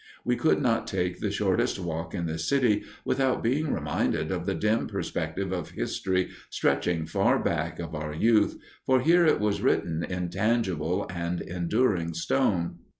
We could not take the shortest walk in the city without being reminded of the dim perspective of history stretching far back of our youth, for here it was written in tangible and enduring stone.